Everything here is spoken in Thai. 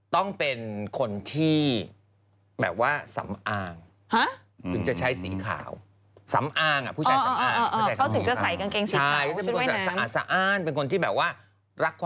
ต้องมั่นใจมาก